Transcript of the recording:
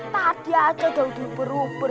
tadi aja udah berubur